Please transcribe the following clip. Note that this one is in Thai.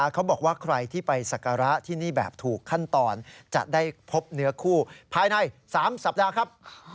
เขาบอกว่าใครที่ไปสักการะที่นี่แบบถูกขั้นตอนจะได้พบเนื้อคู่ภายใน๓สัปดาห์ครับ